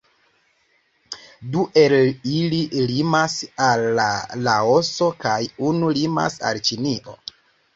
Du el ili limas al Laoso kaj unu limas al Ĉinio.